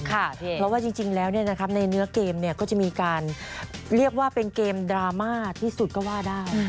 เพราะว่าจริงแล้วในเนื้อเกมก็จะมีการเรียกว่าเป็นเกมดราม่าที่สุดก็ว่าได้